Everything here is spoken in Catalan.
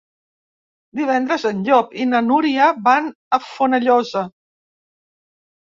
Divendres en Llop i na Núria van a Fonollosa.